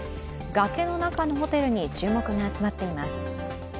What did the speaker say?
崖の中のホテルに注目が集まっています。